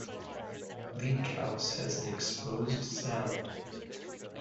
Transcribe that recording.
Bleak House has an exposed sound.